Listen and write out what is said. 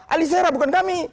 alisera bukan kami